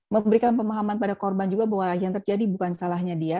memberikan pemahaman pada korban juga bahwa yang terjadi bukan salahnya dia